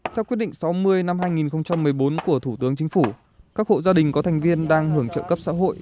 theo quyết định sáu mươi năm hai nghìn một mươi bốn của thủ tướng chính phủ các hộ gia đình có thành viên đang hưởng trợ cấp xã hội